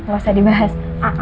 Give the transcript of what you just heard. gak usah dibahas